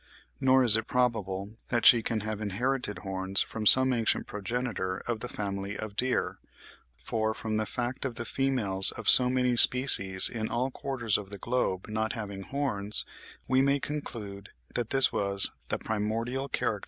Nor is it probable that she can have inherited horns from some ancient progenitor of the family of deer, for, from the fact of the females of so many species in all quarters of the globe not having horns, we may conclude that this was the primordial character of the group.